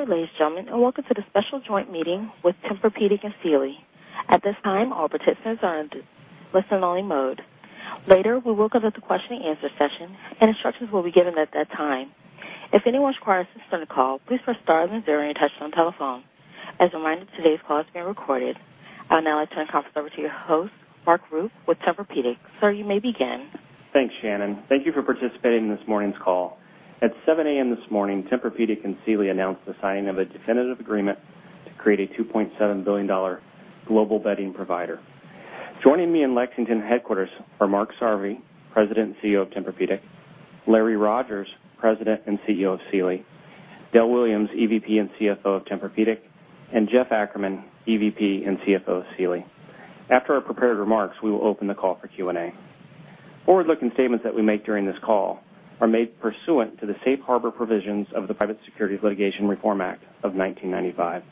Good day, ladies and gentlemen, welcome to the special joint meeting with Tempur-Pedic and Sealy. At this time, all participants are in listen-only mode. Later, we will conduct the question and answer session, instructions will be given at that time. If anyone requires assistance on the call, please press star then zero on your touchtone telephone. As a reminder, today's call is being recorded. I would now like to turn the conference over to your host, Mark Rupe with Tempur-Pedic. Sir, you may begin. Thanks, Shannon. Thank you for participating in this morning's call. At 7:00 A.M. this morning, Tempur-Pedic and Sealy announced the signing of a definitive agreement to create a $2.7 billion global bedding provider. Joining me in Lexington headquarters are Mark Sarvary, President and CEO of Tempur-Pedic; Larry Rogers, President and CEO of Sealy; Dale Williams, EVP and CFO of Tempur-Pedic; and Jeff Ackerman, EVP and CFO of Sealy. After our prepared remarks, we will open the call for Q&A. Forward-looking statements that we make during this call are made pursuant to the safe harbor provisions of the Private Securities Litigation Reform Act of 1995.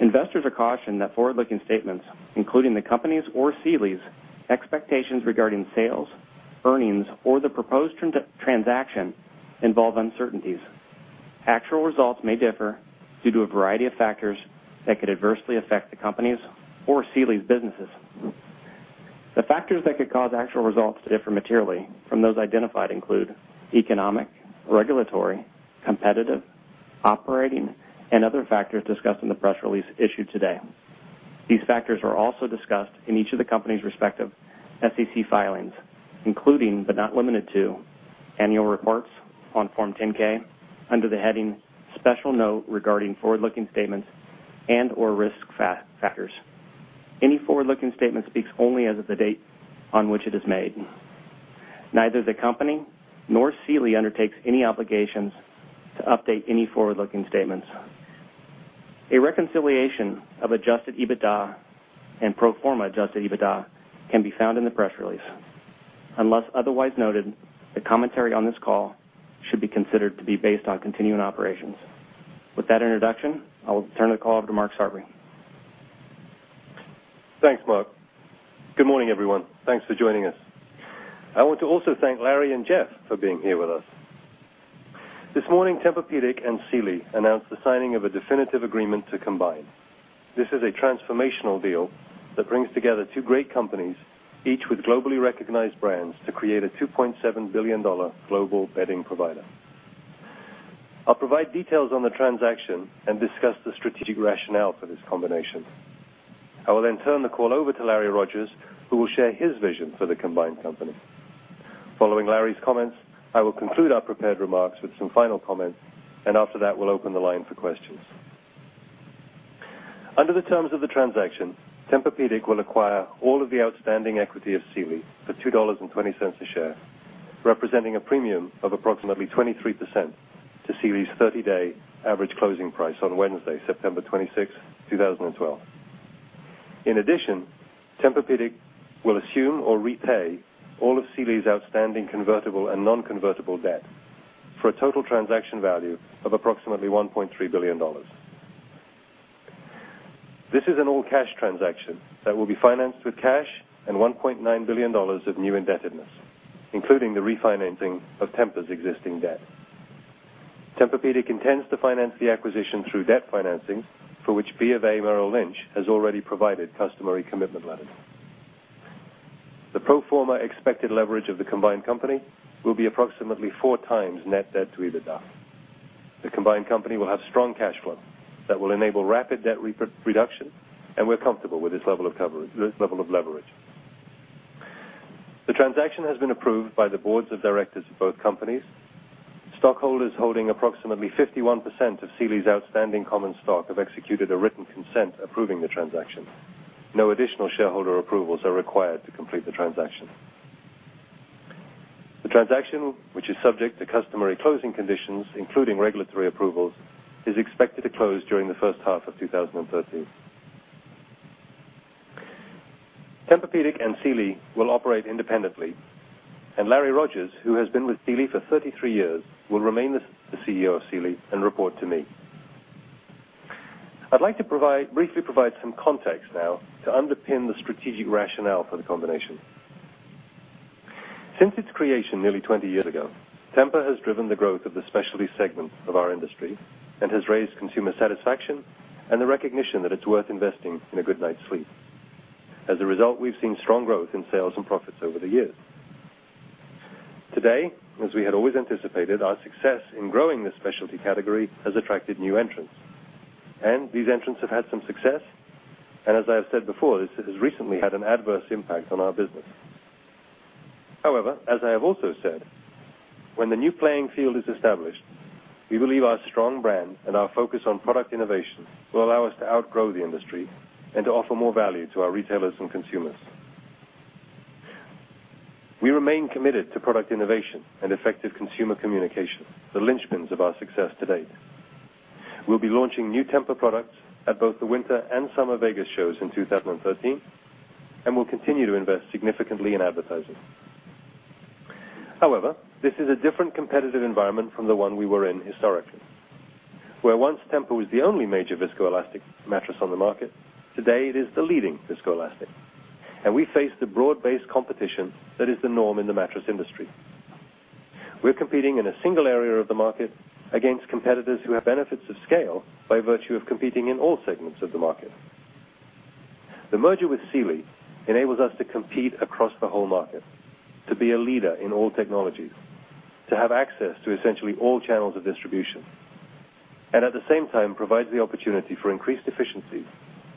Investors are cautioned that forward-looking statements, including the company's or Sealy's expectations regarding sales, earnings, or the proposed transaction, involve uncertainties. Actual results may differ due to a variety of factors that could adversely affect the company's or Sealy's businesses. The factors that could cause actual results to differ materially from those identified include economic, regulatory, competitive, operating, and other factors discussed in the press release issued today. These factors are also discussed in each of the company's respective SEC filings, including, but not limited to, annual reports on Form 10-K under the heading Special Note Regarding Forward-Looking Statements and/or Risk Factors. Any forward-looking statement speaks only as of the date on which it is made. Neither the company nor Sealy undertakes any obligations to update any forward-looking statements. A reconciliation of adjusted EBITDA and pro forma adjusted EBITDA can be found in the press release. Unless otherwise noted, the commentary on this call should be considered to be based on continuing operations. With that introduction, I will turn the call over to Mark Sarvary. Thanks, Mark. Good morning, everyone. Thanks for joining us. I want to also thank Larry and Jeff for being here with us. This morning, Tempur-Pedic and Sealy announced the signing of a definitive agreement to combine. This is a transformational deal that brings together two great companies, each with globally recognized brands, to create a $2.7 billion global bedding provider. I'll provide details on the transaction and discuss the strategic rationale for this combination. I will then turn the call over to Larry Rogers, who will share his vision for the combined company. Following Larry's comments, I will conclude our prepared remarks with some final comments. After that, we'll open the line for questions. Under the terms of the transaction, Tempur-Pedic will acquire all of the outstanding equity of Sealy for $2.20 a share, representing a premium of approximately 23% to Sealy's 30-day average closing price on Wednesday, September 26, 2012. In addition, Tempur-Pedic will assume or repay all of Sealy's outstanding convertible and non-convertible debt for a total transaction value of approximately $1.3 billion. This is an all-cash transaction that will be financed with cash and $1.9 billion of new indebtedness, including the refinancing of Tempur's existing debt. Tempur-Pedic intends to finance the acquisition through debt financing for which BofA Merrill Lynch has already provided customary commitment letters. The pro forma expected leverage of the combined company will be approximately four times net debt to EBITDA. The combined company will have strong cash flow that will enable rapid debt reduction, and we're comfortable with this level of leverage. The transaction has been approved by the boards of directors of both companies. Stockholders holding approximately 51% of Sealy's outstanding common stock have executed a written consent approving the transaction. No additional shareholder approvals are required to complete the transaction. The transaction, which is subject to customary closing conditions, including regulatory approvals, is expected to close during the first half of 2013. Tempur-Pedic and Sealy will operate independently, Larry Rogers, who has been with Sealy for 33 years, will remain the CEO of Sealy and report to me. I'd like to briefly provide some context now to underpin the strategic rationale for the combination. Since its creation nearly 20 years ago, Tempur has driven the growth of the specialty segment of our industry and has raised consumer satisfaction and the recognition that it's worth investing in a good night's sleep. As a result, we've seen strong growth in sales and profits over the years. Today, as we had always anticipated, our success in growing this specialty category has attracted new entrants, and these entrants have had some success, and as I have said before, this has recently had an adverse impact on our business. However, as I have also said, when the new playing field is established, we believe our strong brand and our focus on product innovation will allow us to outgrow the industry and to offer more value to our retailers and consumers. We remain committed to product innovation and effective consumer communication, the linchpins of our success to date. We'll be launching new Tempur products at both the Winter and Summer Vegas shows in 2013, and we'll continue to invest significantly in advertising. However, this is a different competitive environment from the one we were in historically. Where once Tempur was the only major viscoelastic mattress on the market, today it is the leading viscoelastic. We face the broad-based competition that is the norm in the mattress industry. We're competing in a single area of the market against competitors who have benefits of scale by virtue of competing in all segments of the market. The merger with Sealy enables us to compete across the whole market, to be a leader in all technologies, to have access to essentially all channels of distribution, and at the same time provides the opportunity for increased efficiencies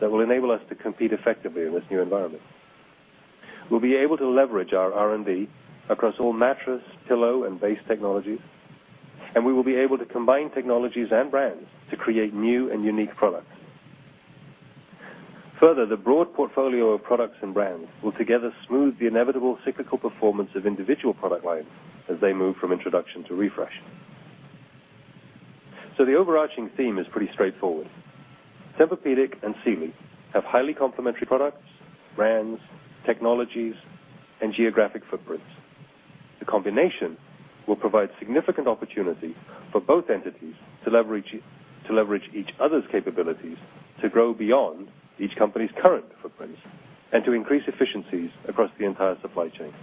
that will enable us to compete effectively in this new environment. We'll be able to leverage our R&D across all mattress, pillow, and base technologies, and we will be able to combine technologies and brands to create new and unique products. Further, the broad portfolio of products and brands will together smooth the inevitable cyclical performance of individual product lines as they move from introduction to refresh. The overarching theme is pretty straightforward. Tempur-Pedic and Sealy have highly complementary products, brands, technologies, and geographic footprints. The combination will provide significant opportunity for both entities to leverage each other's capabilities to grow beyond each company's current footprints and to increase efficiencies across the entire supply chain.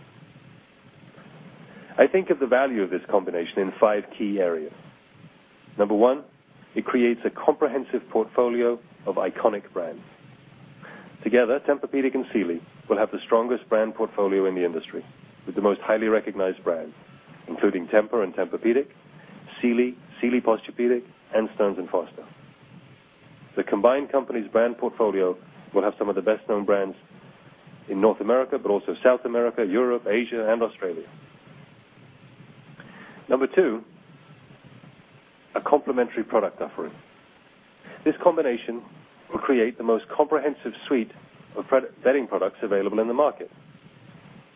I think of the value of this combination in five key areas. Number one, it creates a comprehensive portfolio of iconic brands. Together, Tempur-Pedic and Sealy will have the strongest brand portfolio in the industry with the most highly recognized brands, including Tempur and Tempur-Pedic, Sealy Posturepedic, and Stearns & Foster. The combined company's brand portfolio will have some of the best-known brands in North America, but also South America, Europe, Asia, and Australia. Number two, a complementary product offering. This combination will create the most comprehensive suite of bedding products available in the market.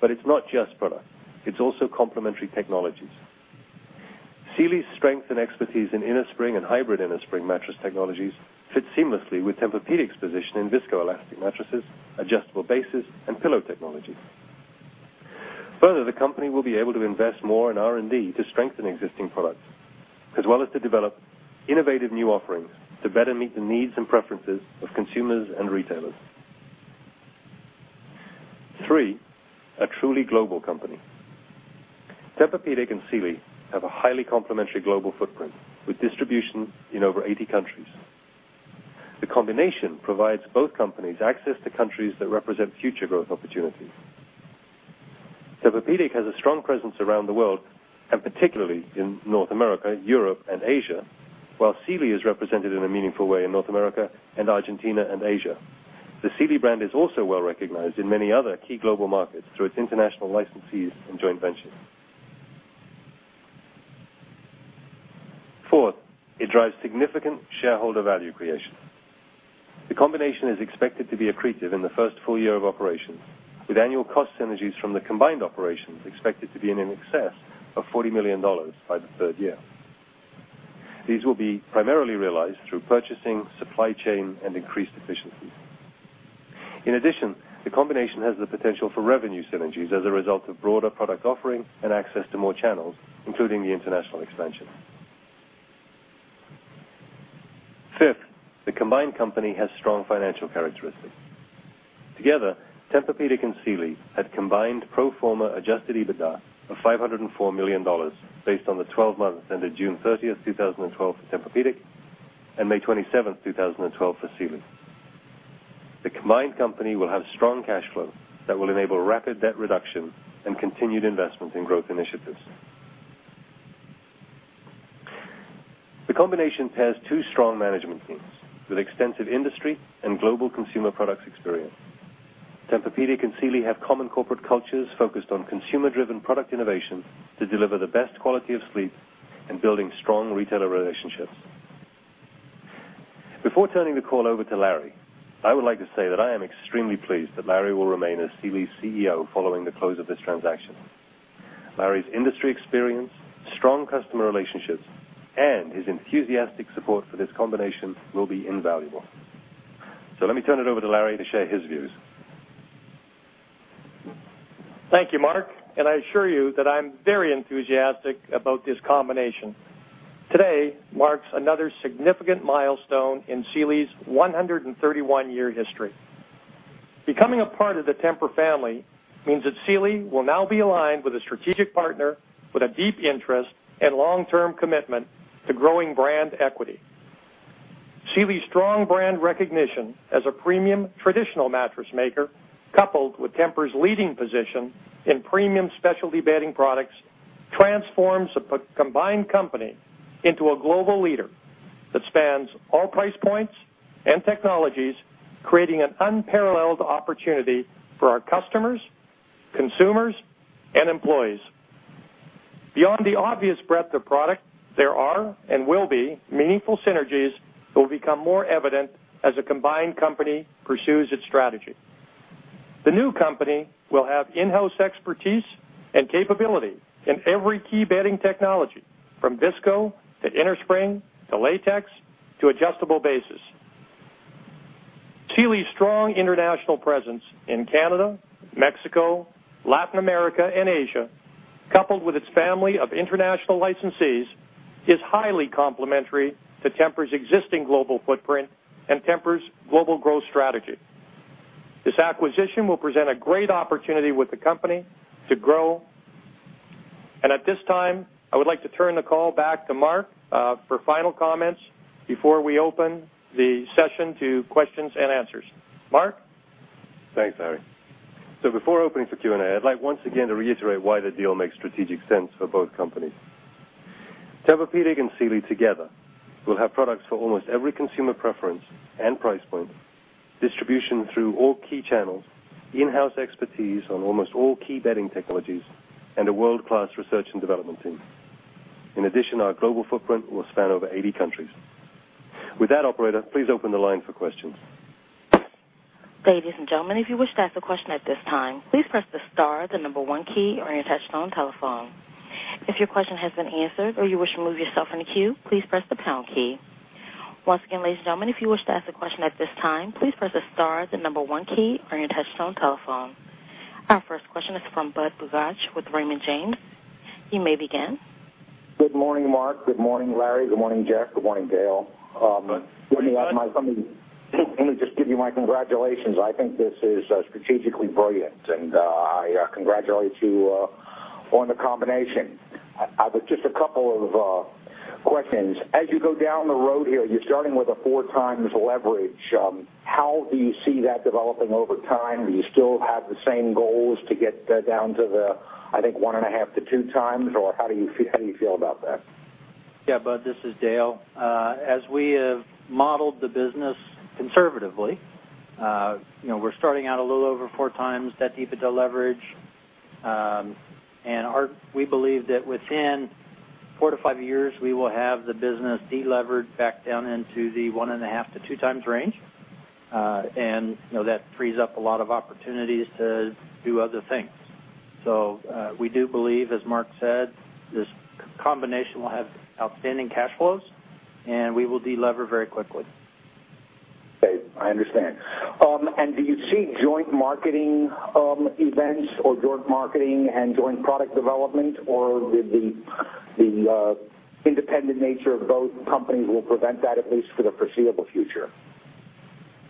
It's not just products; it's also complementary technologies. Sealy's strength and expertise in innerspring and hybrid innerspring mattress technologies fit seamlessly with Tempur-Pedic's position in viscoelastic mattresses, adjustable bases, and pillow technology. Further, the company will be able to invest more in R&D to strengthen existing products, as well as to develop innovative new offerings to better meet the needs and preferences of consumers and retailers. Three, a truly global company. Tempur-Pedic and Sealy have a highly complementary global footprint with distribution in over 80 countries. The combination provides both companies access to countries that represent future growth opportunities. Tempur-Pedic has a strong presence around the world, and particularly in North America, Europe, and Asia, while Sealy is represented in a meaningful way in North America and Argentina and Asia. The Sealy brand is also well-recognized in many other key global markets through its international licensees and joint ventures. Fourth, it drives significant shareholder value creation. The combination is expected to be accretive in the first full year of operations, with annual cost synergies from the combined operations expected to be in excess of $40 million by the third year. These will be primarily realized through purchasing, supply chain, and increased efficiencies. In addition, the combination has the potential for revenue synergies as a result of broader product offering and access to more channels, including the international expansion. Fifth, the combined company has strong financial characteristics. Together, Tempur-Pedic and Sealy had combined pro forma adjusted EBITDA of $504 million based on the 12 months ended June 30th, 2012, for Tempur-Pedic, and May 27th, 2012, for Sealy. The combined company will have strong cash flow that will enable rapid debt reduction and continued investment in growth initiatives. The combination pairs two strong management teams with extensive industry and global consumer products experience. Tempur-Pedic and Sealy have common corporate cultures focused on consumer-driven product innovation to deliver the best quality of sleep and building strong retailer relationships. Before turning the call over to Larry, I would like to say that I am extremely pleased that Larry will remain as Sealy's CEO following the close of this transaction. Larry's industry experience, strong customer relationships, and his enthusiastic support for this combination will be invaluable. Let me turn it over to Larry to share his views. Thank you, Mark. I assure you that I'm very enthusiastic about this combination. Today marks another significant milestone in Sealy's 131-year history. Becoming a part of the Tempur family means that Sealy will now be aligned with a strategic partner with a deep interest and long-term commitment to growing brand equity. Sealy's strong brand recognition as a premium traditional mattress maker, coupled with Tempur's leading position in premium specialty bedding products, transforms the combined company into a global leader that spans all price points and technologies, creating an unparalleled opportunity for our customers, consumers, and employees. Beyond the obvious breadth of product, there are and will be meaningful synergies that will become more evident as the combined company pursues its strategy. The new company will have in-house expertise and capability in every key bedding technology from visco to innerspring to latex to adjustable bases. Sealy's strong international presence in Canada, Mexico, Latin America, and Asia. Coupled with its family of international licensees, is highly complementary to Tempur's existing global footprint and Tempur's global growth strategy. This acquisition will present a great opportunity with the company to grow. At this time, I would like to turn the call back to Mark for final comments before we open the session to questions and answers. Mark? Thanks, Larry. Before opening for Q&A, I'd like once again to reiterate why the deal makes strategic sense for both companies. Tempur-Pedic and Sealy together will have products for almost every consumer preference and price point, distribution through all key channels, in-house expertise on almost all key bedding technologies, and a world-class research and development team. In addition, our global footprint will span over 80 countries. With that, operator, please open the line for questions. Ladies and gentlemen, if you wish to ask a question at this time, please press the star, the number 1 key on your touchtone telephone. If your question has been answered or you wish to remove yourself from the queue, please press the pound key. Once again, ladies and gentlemen, if you wish to ask a question at this time, please press the star, the number 1 key on your touchtone telephone. Our first question is from Budd Bugatch with Raymond James. You may begin. Good morning, Mark. Good morning, Larry. Good morning, Jeff. Good morning, Dale. Budd. Let me just give you my congratulations. I think this is strategically brilliant. I congratulate you on the combination. Just a couple of questions. As you go down the road here, you're starting with a 4 times leverage. How do you see that developing over time? Do you still have the same goals to get down to the, I think, 1.5-2 times, or how do you feel about that? Budd, this is Dale. As we have modeled the business conservatively, we're starting out a little over 4 times that EBITDA leverage. We believe that within 4-5 years, we will have the business delevered back down into the 1.5-2 times range. That frees up a lot of opportunities to do other things. We do believe, as Mark said, this combination will have outstanding cash flows. We will delever very quickly. Okay. I understand. Do you see joint marketing events or joint marketing and joint product development, or the independent nature of both companies will prevent that, at least for the foreseeable future?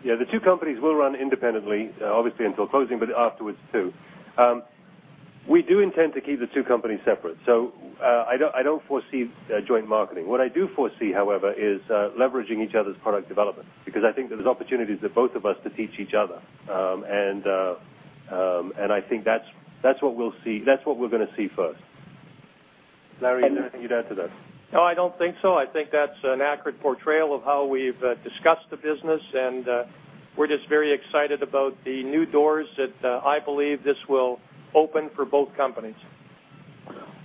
The two companies will run independently, obviously until closing, but afterwards too. We do intend to keep the two companies separate, I don't foresee joint marketing. What I do foresee, however, is leveraging each other's product development because I think there's opportunities for both of us to teach each other. I think that's what we're going to see first. Larry, anything you'd add to that? No, I don't think so. I think that's an accurate portrayal of how we've discussed the business, we're just very excited about the new doors that I believe this will open for both companies.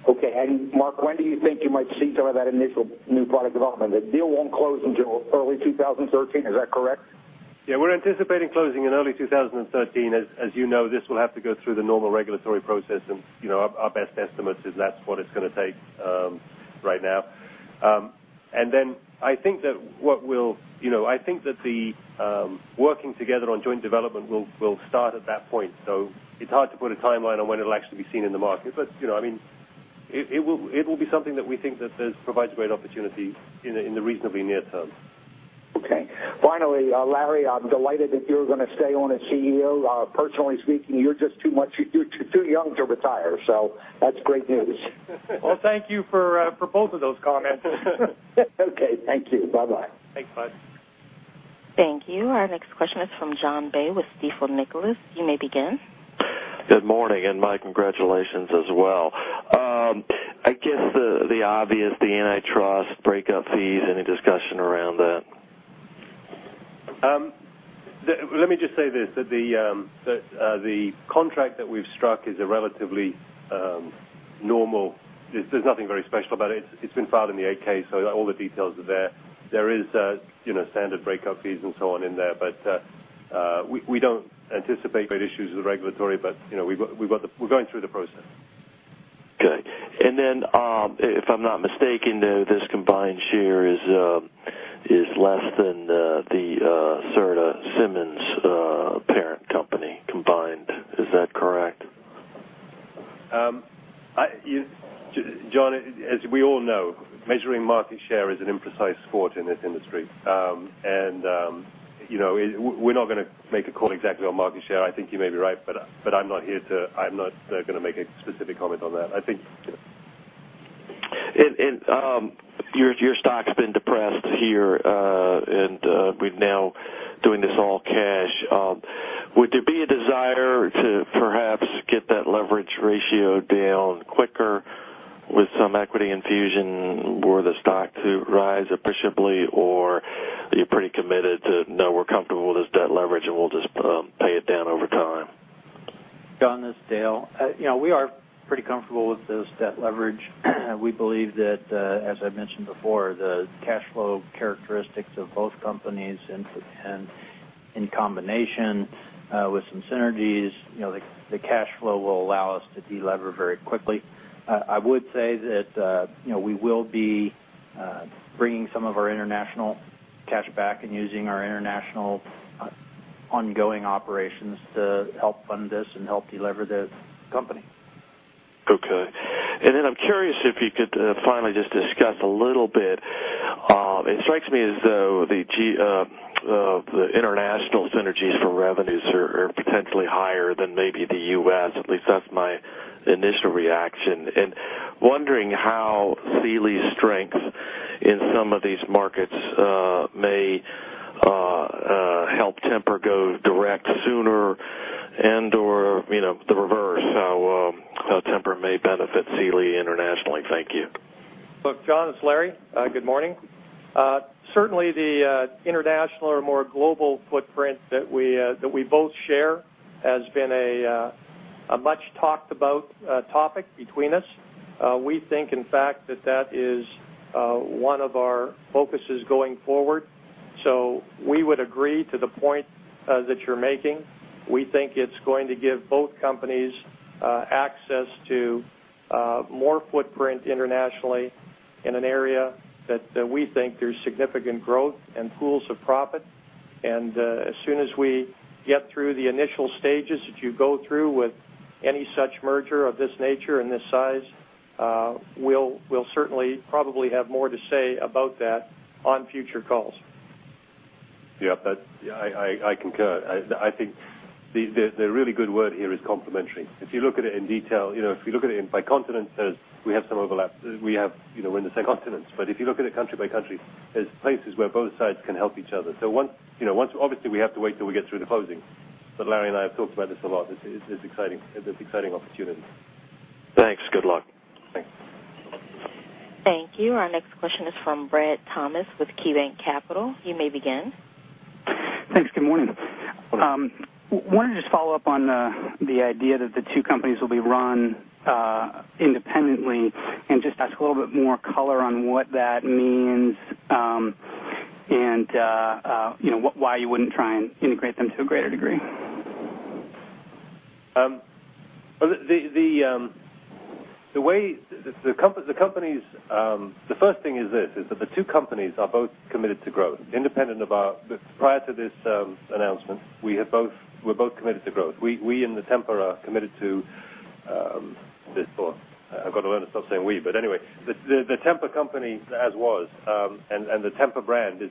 Okay. Mark, when do you think you might see some of that initial new product development? The deal won't close until early 2013, is that correct? Yeah, we're anticipating closing in early 2013. As you know, this will have to go through the normal regulatory process, our best estimate is that's what it's going to take right now. I think that the working together on joint development will start at that point. It's hard to put a timeline on when it'll actually be seen in the market. It will be something that we think that provides a great opportunity in the reasonably near term. Okay. Finally, Larry, I'm delighted that you're going to stay on as CEO. Personally speaking, you're just too young to retire, so that's great news. Well, thank you for both of those comments. Okay. Thank you. Bye-bye. Thanks, Bud. Thank you. Our next question is from John Baugh with Stifel, Nicolaus. You may begin. Good morning, my congratulations as well. I guess the obvious, the antitrust breakup fees, any discussion around that? Let me just say this, that the contract that we've struck is a relatively normal. There's nothing very special about it. It's been filed in the 8-K, so all the details are there. There is standard breakup fees and so on in there, but we don't anticipate great issues with regulatory, but we're going through the process. Okay. If I'm not mistaken, this combined share is less than the Serta Simmons parent company combined. Is that correct? John, as we all know, measuring market share is an imprecise sport in this industry. We're not going to make a call exactly on market share. I think you may be right, I'm not going to make a specific comment on that. Your stock's been depressed here, we're now doing this all cash. Would there be a desire to perhaps get that leverage ratio down quicker with some equity infusion were the stock to rise appreciably, or are you pretty committed to, "No, we're comfortable with this debt leverage, and we'll just pay it down over time? John, this is Dale. We are pretty comfortable with this debt leverage. We believe that, as I mentioned before, the cash flow characteristics of both companies and in combination with some synergies, the cash flow will allow us to delever very quickly. I would say that we will be bringing some of our international cash back and using our international Ongoing operations to help fund this and help delever the company. Okay. I'm curious if you could finally just discuss a little bit. It strikes me as though the international synergies for revenues are potentially higher than maybe the U.S. At least that's my initial reaction. Wondering how Sealy's strength in some of these markets may help Tempur go direct sooner and/or the reverse, how Tempur may benefit Sealy internationally. Thank you. Look, John, it's Larry. Good morning. Certainly, the international or more global footprint that we both share has been a much talked about topic between us. We think, in fact, that that is one of our focuses going forward. We would agree to the point that you're making. We think it's going to give both companies access to more footprint internationally in an area that we think there's significant growth and pools of profit. As soon as we get through the initial stages that you go through with any such merger of this nature and this size, we'll certainly probably have more to say about that on future calls. Yeah. I concur. I think the really good word here is complementary. If you look at it in detail, if you look at it by continent, we have some overlap. We're in the same continent. If you look at it country by country, there's places where both sides can help each other. Obviously, we have to wait till we get through the closing. Larry and I have talked about this a lot. It's an exciting opportunity. Thanks. Good luck. Thanks. Thank you. Our next question is from Brad Thomas with KeyBanc Capital. You may begin. Thanks. Good morning. I wanted to just follow up on the idea that the two companies will be run independently and just ask a little bit more color on what that means and why you wouldn't try and integrate them to a greater degree. The first thing is this, is that the two companies are both committed to growth. Prior to this announcement, we're both committed to growth. We in the Tempur are committed to this for I've got to learn to stop saying we, but anyway. The Tempur company, as was, and the Tempur brand is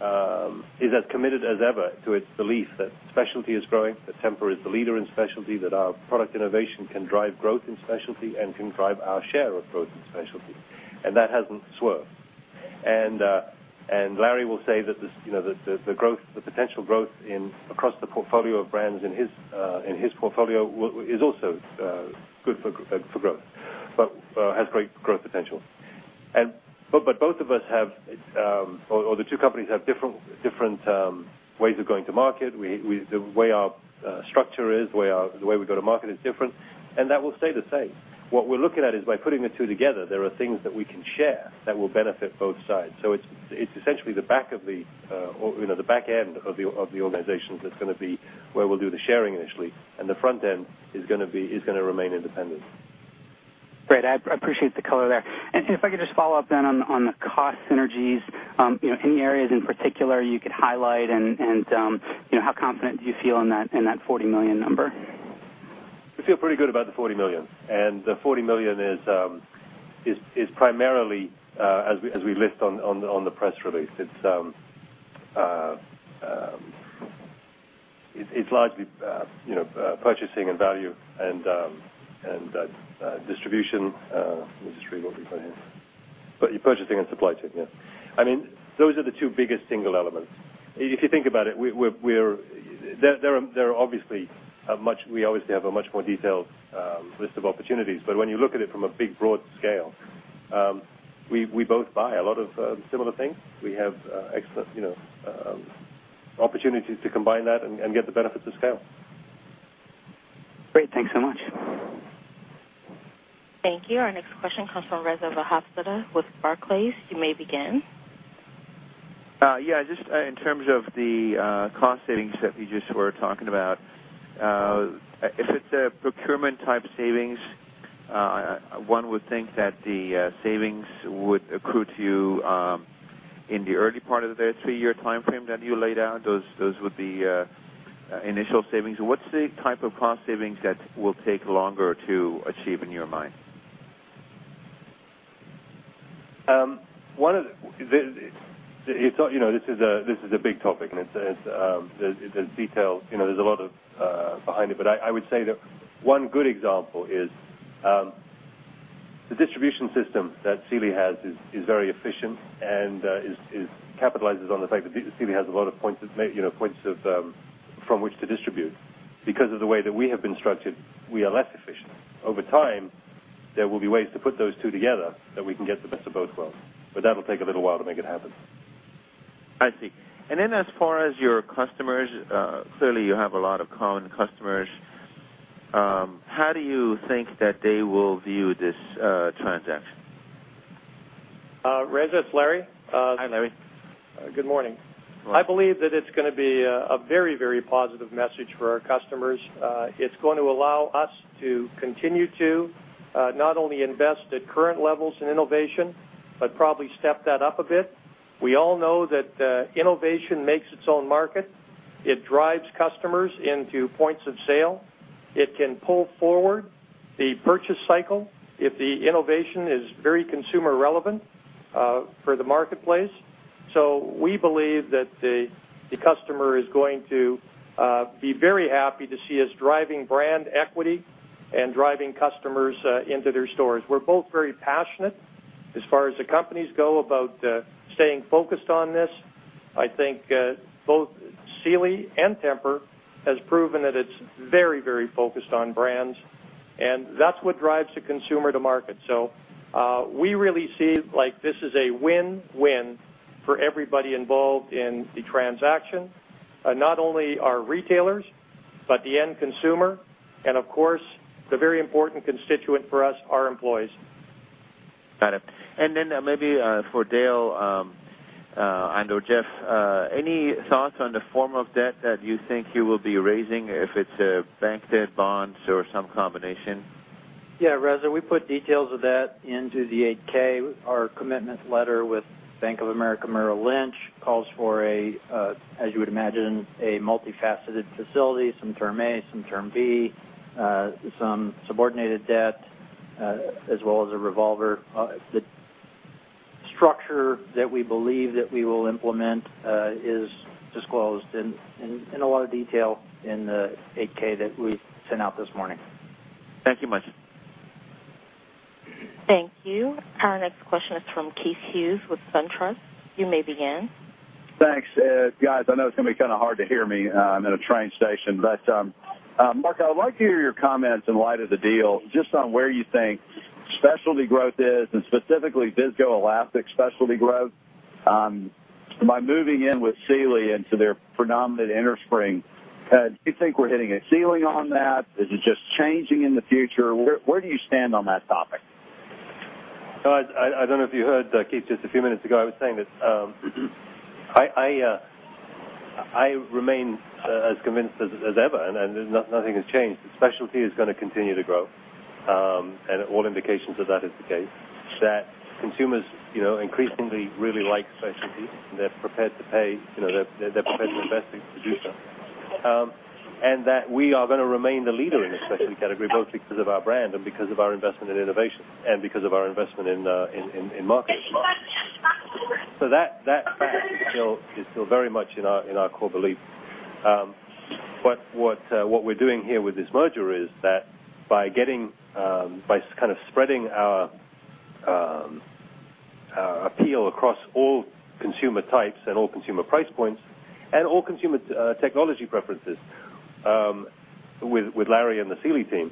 as committed as ever to its belief that specialty is growing, that Tempur is the leader in specialty, that our product innovation can drive growth in specialty and can drive our share of growth in specialty. That hasn't swerved. Larry will say that the potential growth across the portfolio of brands in his portfolio is also good for growth, has great growth potential. Both of us have, or the two companies have different ways of going to market. The way our structure is, the way we go to market is different, that will stay the same. What we're looking at is by putting the two together, there are things that we can share that will benefit both sides. It's essentially the back end of the organizations that's going to be where we'll do the sharing initially, the front end is going to remain independent. Great. I appreciate the color there. If I could just follow up on the cost synergies, any areas in particular you could highlight, and how confident do you feel in that 40 million number? We feel pretty good about the $40 million. The $40 million is primarily, as we list on the press release, it's largely purchasing and supply chain. Let me just read what we put here. Purchasing and supply chain, yeah. Those are the two biggest single elements. If you think about it, we obviously have a much more detailed list of opportunities. When you look at it from a big, broad scale, we both buy a lot of similar things. We have opportunities to combine that and get the benefits of scale. Great. Thanks so much. Thank you. Our next question comes from Reza Vahabzadeh with Barclays. You may begin. Yeah, just in terms of the cost savings that you just were talking about. If it's a procurement-type savings, one would think that the savings would accrue to you in the early part of the three-year timeframe that you laid out. Those would be initial savings. What's the type of cost savings that will take longer to achieve in your mind? This is a big topic, and there's a lot of behind it. I would say that one good example is the distribution system that Sealy has is very efficient and capitalizes on the fact that Sealy has a lot of points from which to distribute. Because of the way that we have been structured, we are less efficient. Over time, there will be ways to put those two together that we can get the best of both worlds. That'll take a little while to make it happen. I see. As far as your customers, clearly you have a lot of common customers. How do you think that they will view this transaction? Reza, it's Larry. Hi, Larry. Good morning. Morning. I believe that it's going to be a very positive message for our customers. It's going to allow us to continue to not only invest at current levels in innovation. Probably step that up a bit. We all know that innovation makes its own market. It drives customers into points of sale. It can pull forward the purchase cycle if the innovation is very consumer relevant for the marketplace. We believe that the customer is going to be very happy to see us driving brand equity and driving customers into their stores. We're both very passionate as far as the companies go about staying focused on this. I think both Sealy and Tempur have proven that it's very focused on brands, and that's what drives the consumer to market. We really see this as a win-win for everybody involved in the transaction. Not only our retailers, but the end consumer, and of course, the very important constituent for us, our employees. Got it. Then maybe for Dale and/or Jeff, any thoughts on the form of debt that you think you will be raising? If it's bank debt bonds or some combination? Yeah, Reza, we put details of that into the 8-K. Our commitment letter with Bank of America Merrill Lynch calls for, as you would imagine, a multifaceted facility, some Term A, some Term B, some subordinated debt, as well as a revolver. The structure that we believe that we will implement is disclosed in a lot of detail in the 8-K that we sent out this morning. Thank you much. Thank you. Our next question is from Keith Hughes with SunTrust. You may begin. Thanks. Guys, I know it's going to be kind of hard to hear me. I'm in a train station. Mark, I would like to hear your comments in light of the deal, just on where you think specialty growth is, and specifically viscoelastic specialty growth. By moving in with Sealy into their predominant innerspring, do you think we're hitting a ceiling on that? Is it just changing in the future? Where do you stand on that topic? I don't know if you heard, Keith, just a few minutes ago, I was saying that I remain as convinced as ever, and nothing has changed. Specialty is going to continue to grow. All indications are that is the case, that consumers increasingly really like specialty. They're prepared to pay. They're prepared to invest to produce them. That we are going to remain the leader in the specialty category, both because of our brand and because of our investment in innovation and because of our investment in marketing. That fact is still very much in our core belief. What we're doing here with this merger is that by kind of spreading our appeal across all consumer types and all consumer price points and all consumer technology preferences with Larry and the Sealy team,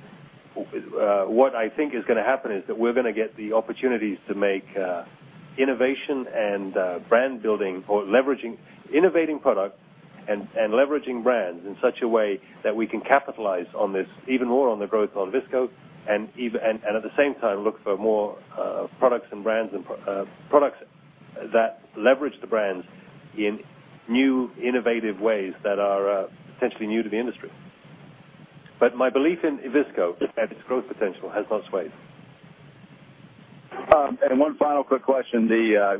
what I think is going to happen is that we're going to get the opportunities to make innovation and brand building or leveraging innovating product and leveraging brands in such a way that we can capitalize on this even more on the growth on visco and at the same time, look for more products that leverage the brands in new, innovative ways that are potentially new to the industry. My belief in visco and its growth potential has not swayed. One final quick question.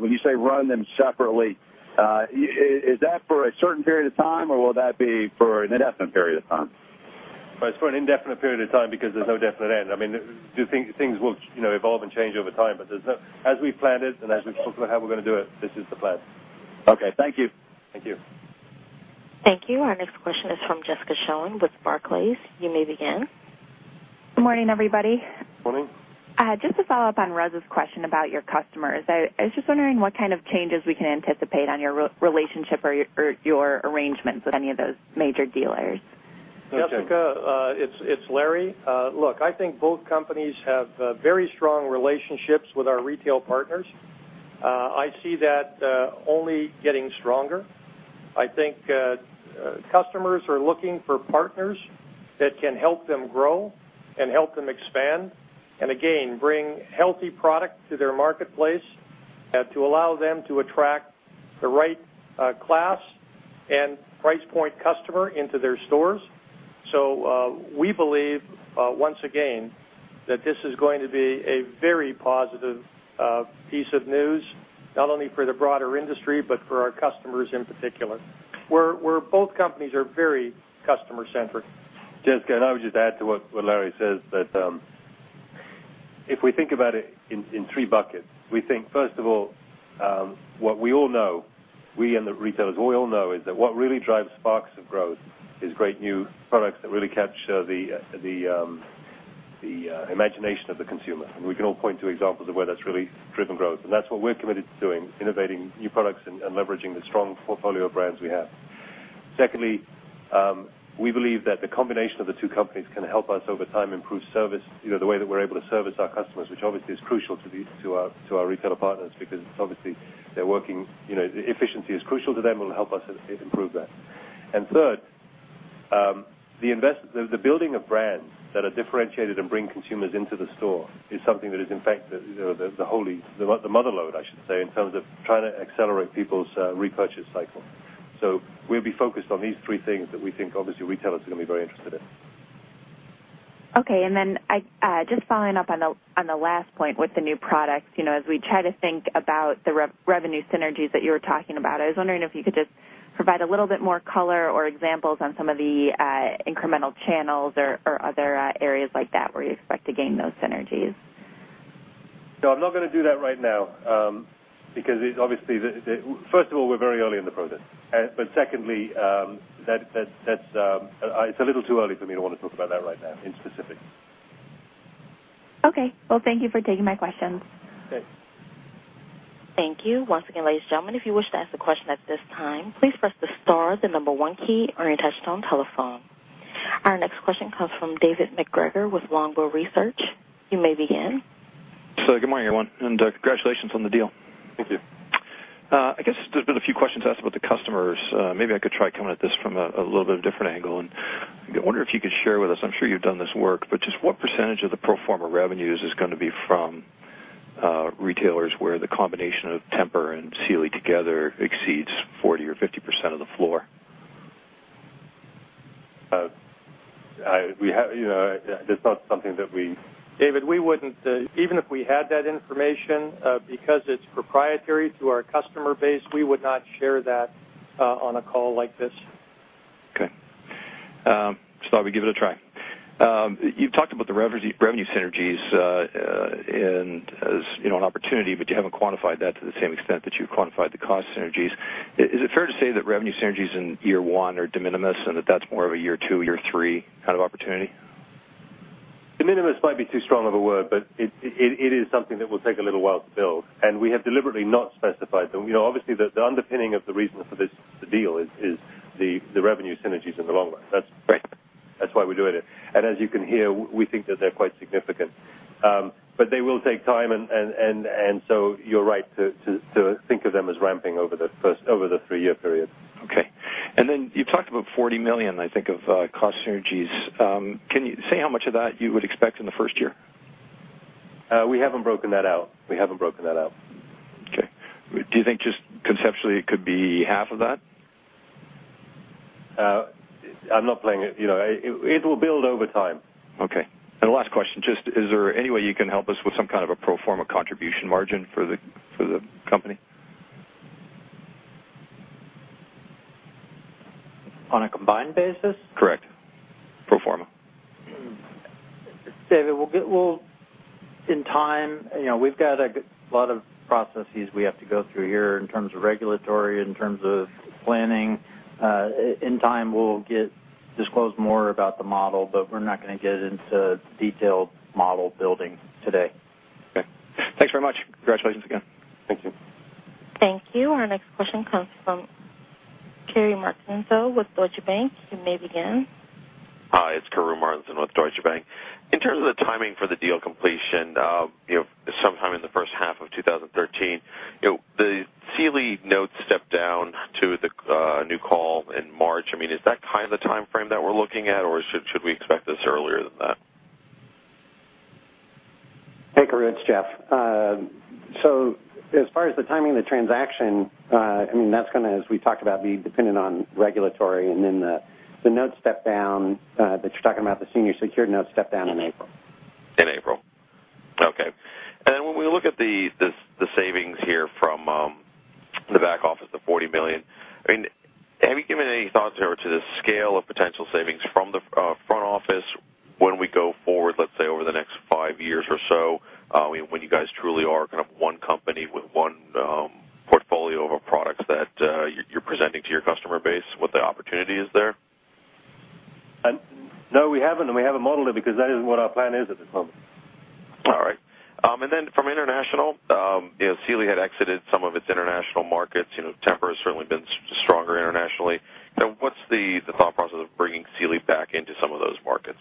When you say run them separately, is that for a certain period of time, or will that be for an indefinite period of time? It's for an indefinite period of time because there's no definite end. Things will evolve and change over time. As we've planned it and as we've talked about how we're going to do it, this is the plan. Okay. Thank you. Thank you. Thank you. Our next question is from Jessica Schoen with Barclays. You may begin. Good morning, everybody. Morning. Just to follow up on Reza's question about your customers. I was just wondering what kind of changes we can anticipate on your relationship or your arrangements with any of those major dealers. Jessica, it's Larry. Look, I think both companies have very strong relationships with our retail partners. I see that only getting stronger. I think customers are looking for partners that can help them grow and help them expand, and again, bring healthy product to their marketplace and to allow them to attract the right class and price point customer into their stores. We believe, once again, that this is going to be a very positive piece of news, not only for the broader industry, but for our customers in particular, where both companies are very customer-centric. Jessica, I would just add to what Larry says that if we think about it in three buckets, we think, first of all, what we all know, we and the retailers, we all know is that what really drives sparks of growth is great new products that really capture the imagination of the consumer. We can all point to examples of where that's really driven growth. That's what we're committed to doing, innovating new products and leveraging the strong portfolio of brands we have. Secondly, we believe that the combination of the two companies can help us over time improve service, the way that we're able to service our customers, which obviously is crucial to our retailer partners, because obviously, efficiency is crucial to them and will help us improve that. Third, the building of brands that are differentiated and bring consumers into the store is something that is, in fact, the mother lode, I should say, in terms of trying to accelerate people's repurchase cycle. We'll be focused on these three things that we think obviously retailers are going to be very interested in. Okay. Then just following up on the last point with the new products, as we try to think about the revenue synergies that you were talking about, I was wondering if you could just provide a little bit more color or examples on some of the incremental channels or other areas like that where you expect to gain those synergies. No, I'm not going to do that right now because first of all, we're very early in the process. Secondly, it's a little too early for me to want to talk about that right now in specific. Okay. Well, thank you for taking my questions. Okay. Thank you. Once again, ladies and gentlemen, if you wish to ask a question at this time, please press the star, the number one key on your touchtone telephone. Our next question comes from David MacGregor with Longbow Research. You may begin. Good morning, everyone, and congratulations on the deal. Thank you. I guess there has been a few questions asked about the customers. Maybe I could try coming at this from a little bit of a different angle, and I wonder if you could share with us, I am sure you have done this work, but just what percentage of the pro forma revenues is going to be from retailers where the combination of Tempur and Sealy together exceeds 40% or 50% of the floor? That's not something that we. David, even if we had that information, because it's proprietary to our customer base, we would not share that on a call like this. Okay. Just thought we'd give it a try. You've talked about the revenue synergies as an opportunity, but you haven't quantified that to the same extent that you've quantified the cost synergies. Is it fair to say that revenue synergies in year one are de minimis and that that's more of a year two, year three kind of opportunity? De minimis might be too strong of a word, but it is something that will take a little while to build, and we have deliberately not specified them. Obviously, the underpinning of the reason for this deal is the revenue synergies in the long run. That's why we're doing it. As you can hear, we think that they're quite significant. They will take time, and so you're right to think of them as ramping over the three-year period. Okay. Then you talked about $40 million, I think, of cost synergies. Can you say how much of that you would expect in the first year? We haven't broken that out. Okay. Do you think just conceptually it could be half of that? It will build over time. Okay. The last question, just is there any way you can help us with some kind of a pro forma contribution margin for the company? On a combined basis? Correct. Pro forma. David, in time, we've got a lot of processes we have to go through here in terms of regulatory, in terms of planning. In time, we'll disclose more about the model, we're not going to get into detailed model building today. Okay. Thanks very much. Congratulations again. Thank you. Thank you. Our next question comes from Karru Martinson with Deutsche Bank. You may begin. Hi, it's Karru Martinson with Deutsche Bank. In terms of the timing for the deal completion, sometime in the first half of 2013, the Sealy notes step down to the new call in March. I mean, is that kind of the timeframe that we're looking at, or should we expect this earlier than that? Hey, Karru, it's Jeff. As far as the timing of the transaction, that's going to, as we talked about, be dependent on regulatory and then the note step down that you're talking about, the senior secured note step down in April. In April. Okay. When we look at the savings here from the back office, the $40 million, have you given any thoughts there to the scale of potential savings from the front office when we go forward, let's say, over the next five years or so, when you guys truly are kind of one company with one portfolio of products that you're presenting to your customer base, what the opportunity is there? No, we haven't, and we haven't modeled it because that isn't what our plan is at this moment. All right. From international, Sealy had exited some of its international markets. Tempur has certainly been stronger internationally. What's the thought process of bringing Sealy back into some of those markets?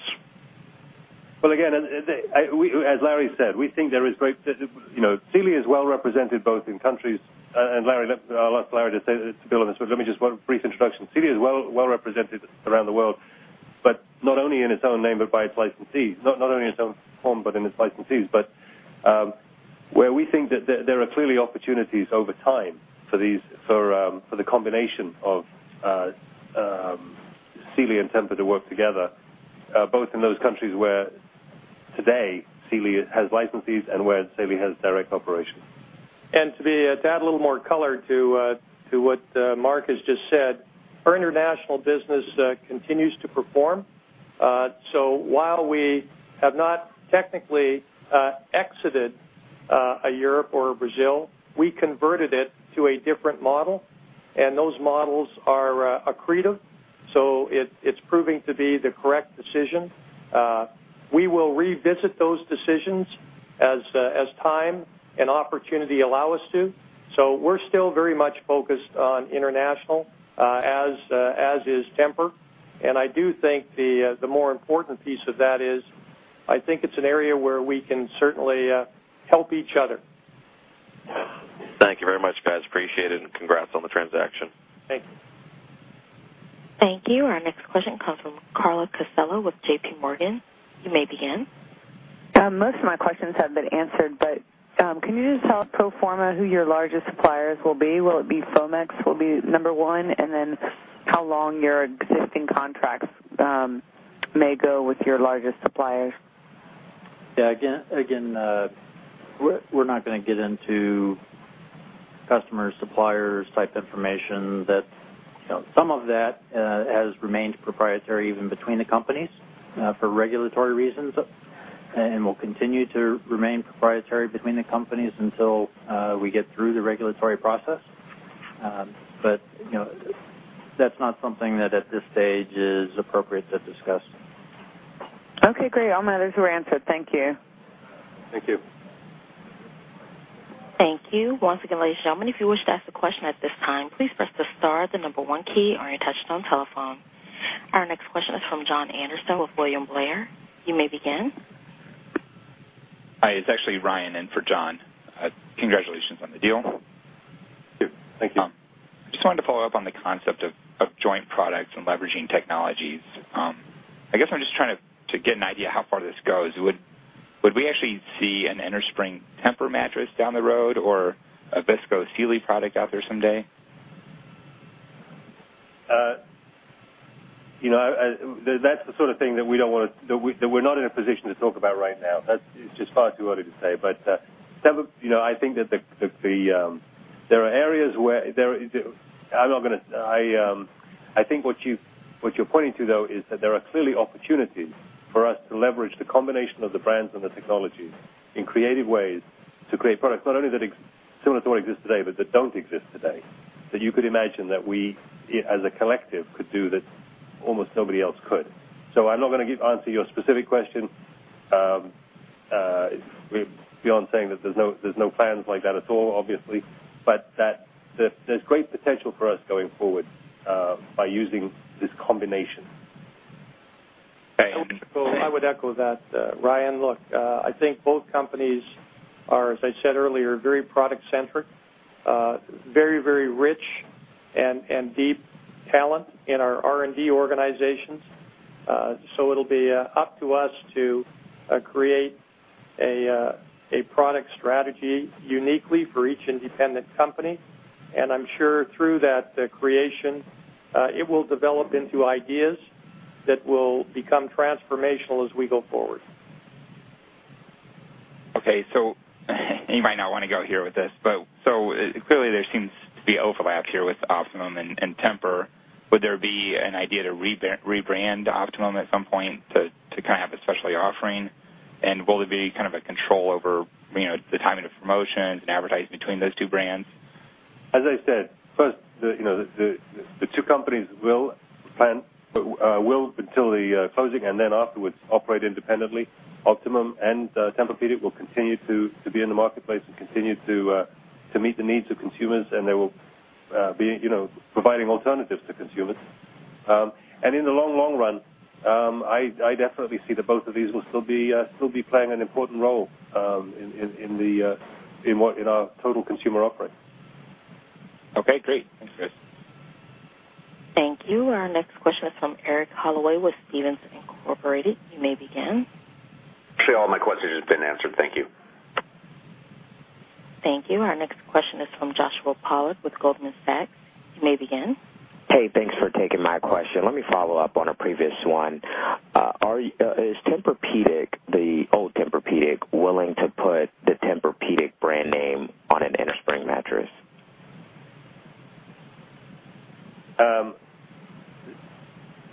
Well, again, as Larry said, Sealy is well represented both in countries. I will ask Larry to build on this, but let me just one brief introduction. Sealy is well represented around the world, not only in its own name, but by its licensees, not only in its own form, but in its licensees. Where we think that there are clearly opportunities over time for the combination of Sealy and Tempur to work together, both in those countries where today Sealy has licensees and where Sealy has direct operations. To add a little more color to what Mark has just said, our international business continues to perform. While we have not technically exited Europe or Brazil, we converted it to a different model, and those models are accretive, so it's proving to be the correct decision. We will revisit those decisions as time and opportunity allow us to. We're still very much focused on international, as is Tempur. I do think the more important piece of that is, I think it's an area where we can certainly help each other. Thank you very much, guys. Appreciate it, and congrats on the transaction. Thank you. Thank you. Our next question comes from Carla Casella with JP Morgan. You may begin. Most of my questions have been answered, Can you just tell us pro forma who your largest suppliers will be? Will it be Foamex will be number 1? Then how long your existing contracts may go with your largest suppliers? Yeah. Again, we're not going to get into customer, supplier-type information. Some of that has remained proprietary even between the companies for regulatory reasons, Will continue to remain proprietary between the companies until we get through the regulatory process. That's not something that, at this stage, is appropriate to discuss. Okay, great. All my others were answered. Thank you. Thank you. Thank you. Once again, ladies and gentlemen, if you wish to ask a question at this time, please press the star, the number one key on your touchtone telephone. Our next question is from John Anderson with William Blair. You may begin. Hi. It's actually Ryan in for John. Congratulations on the deal. Thank you. Just wanted to follow up on the concept of joint products and leveraging technologies. I guess I'm just trying to get an idea how far this goes. Would we actually see an innerspring Tempur mattress down the road or a visco Sealy product out there someday? That's the sort of thing that we're not in a position to talk about right now. That is just far too early to say. I think what you're pointing to, though, is that there are clearly opportunities for us to leverage the combination of the brands and the technologies in creative ways to create products not only that similar to what exists today, but that don't exist today, that you could imagine that we, as a collective, could do that almost nobody else could. I'm not going to answer your specific question beyond saying that there's no plans like that at all, obviously. There's great potential for us going forward by using this combination. Okay. I would echo that. Ryan, look, I think both companies are, as I said earlier, very product-centric. Very rich and deep talent in our R&D organizations. It'll be up to us to create a product strategy uniquely for each independent company. I'm sure through that creation, it will develop into ideas that will become transformational as we go forward. Okay. You might not want to go here with this, but so clearly, there seems to be overlap here with Optimum and Tempur. Would there be an idea to rebrand Optimum at some point to have a specialty offering? Will there be a control over the timing of promotions and advertising between those two brands? As I said, first, the two companies will, until the closing and then afterwards, operate independently. Optimum and Tempur-Pedic will continue to be in the marketplace and continue to meet the needs of consumers, and they will be providing alternatives to consumers. In the long run, I definitely see that both of these will still be playing an important role in our total consumer offering. Okay, great. Thanks, guys. Thank you. Our next question is from Eric Hollowaty with Stephens Inc.. You may begin. Actually, all my questions have been answered. Thank you. Thank you. Our next question is from Joshua Pollard with Goldman Sachs. You may begin. Hey, thanks for taking my question. Let me follow up on a previous one. Is Tempur-Pedic, the old Tempur-Pedic, willing to put the Tempur-Pedic brand name on an innerspring mattress?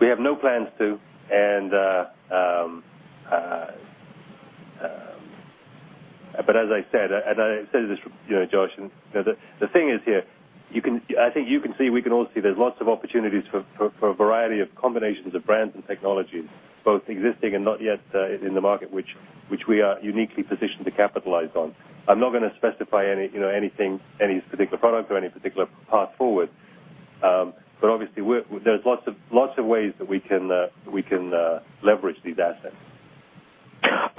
We have no plans to. As I said, I said this, Josh, the thing is here, I think you can see, we can all see there's lots of opportunities for a variety of combinations of brands and technologies, both existing and not yet in the market, which we are uniquely positioned to capitalize on. I'm not going to specify any particular product or any particular path forward. Obviously, there's lots of ways that we can leverage these assets.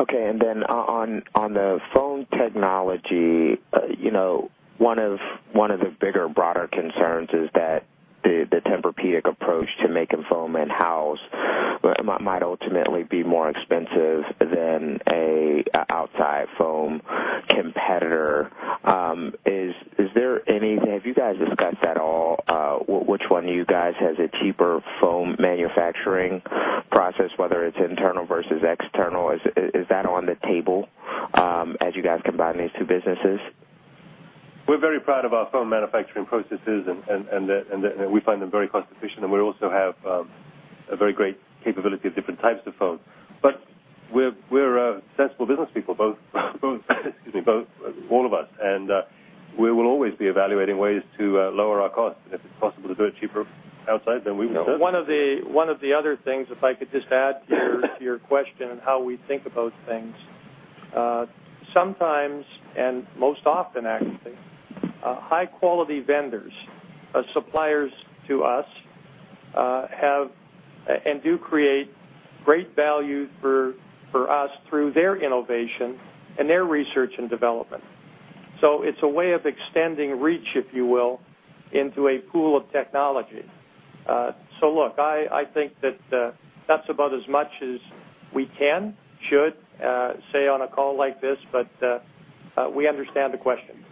Okay. Then on the foam technology, one of the bigger, broader concerns is that the Tempur-Pedic approach to making foam in-house might ultimately be more expensive than an outside foam competitor. Have you guys discussed at all which one of you guys has a cheaper foam manufacturing process, whether it's internal versus external? Is that on the table as you guys combine these two businesses? We're very proud of our foam manufacturing processes. We find them very cost-efficient. We also have a very great capability of different types of foam. We're sensible business people all of us. We will always be evaluating ways to lower our costs. If it's possible to do it cheaper outside, we would do it. One of the other things, if I could just add to your question. How we think about things. Sometimes, most often actually, high-quality vendors, suppliers to us, have and do create great value for us through their innovation and their research and development. It's a way of extending reach, if you will, into a pool of technology. Look, I think that that's about as much as we can, should say on a call like this. We understand the question.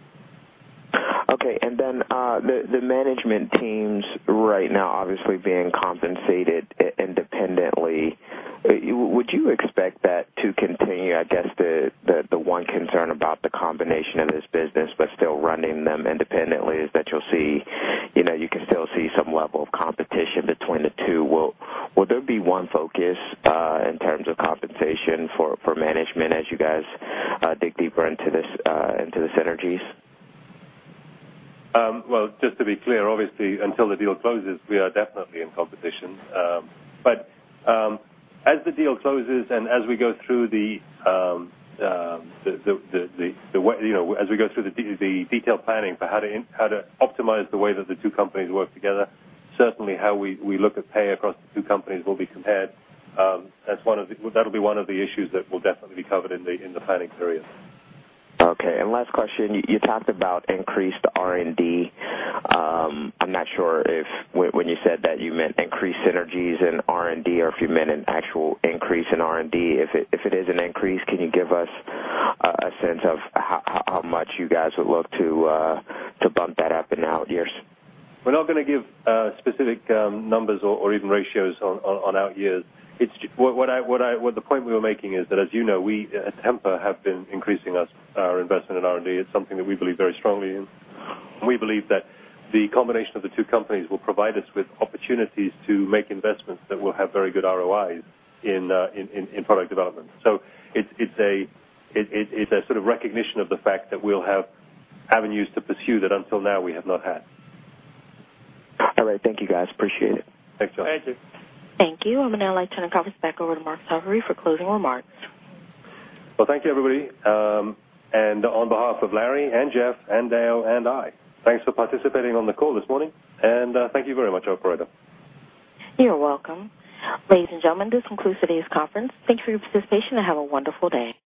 Okay. The management teams right now obviously being compensated independently. Would you expect that to continue? I guess the one concern about the combination of this business still running them independently is that you can still see some level of competition between the two. Will there be one focus in terms of compensation for management as you guys dig deeper into the synergies? Well, just to be clear, obviously, until the deal closes, we are definitely in competition. As the deal closes and as we go through the detailed planning for how to optimize the way that the two companies work together, certainly how we look at pay across the two companies will be compared. That'll be one of the issues that will definitely be covered in the planning period. Okay. Last question. You talked about increased R&D. I'm not sure if when you said that you meant increased synergies in R&D or if you meant an actual increase in R&D. If it is an increase, can you give us a sense of how much you guys would look to bump that up in the out years? We're not going to give specific numbers or even ratios on out years. The point we were making is that as you know, we at Tempur have been increasing our investment in R&D. It's something that we believe very strongly in. We believe that the combination of the two companies will provide us with opportunities to make investments that will have very good ROI in product development. It's a sort of recognition of the fact that we'll have avenues to pursue that until now we have not had. All right. Thank you guys. Appreciate it. Thanks, Josh. Thank you. Thank you. I would now like to turn the conference back over to Mark Sarvary for closing remarks. Well, thank you everybody. On behalf of Larry and Jeff and Dale and I, thanks for participating on the call this morning, and thank you very much, Operator. You're welcome. Ladies and gentlemen, this concludes today's conference. Thank you for your participation, and have a wonderful day.